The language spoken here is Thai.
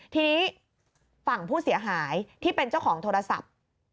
ทีนี้ฝั่งผู้เสียหายที่เป็นเจ้าของโทรศัพท์